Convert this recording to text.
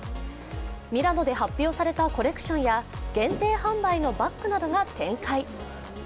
ミラノで発表されたコレクションや限定販売のバッグなどが展開。